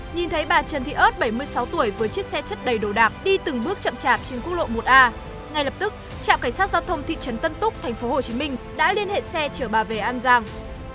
nhìn thấy bà trần thị ơt bảy mươi sáu tuổi với chiếc xe chất đầy đồ đạp đi từng bước chậm chạp trên quốc lộ một a ngay lập tức trạm cảnh sát giao thông thị trấn tân túc thành phố hồ chí minh đã liên hệ xe chở bà về an giang